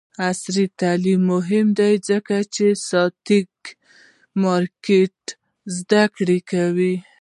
عصري تعلیم مهم دی ځکه چې د سټاک مارکیټ زدکړه کوي.